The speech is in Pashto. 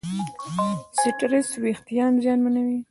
سټرېس وېښتيان زیانمنوي.